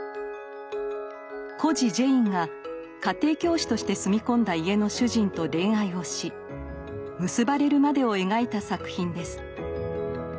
孤児ジェインが家庭教師として住み込んだ家の主人と恋愛をし結ばれるまでを描いた作品です。